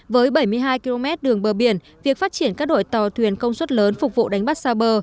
với bảy mươi hai km đường bờ biển việc phát triển các đội tàu thuyền công suất lớn phục vụ đánh bắt xa bờ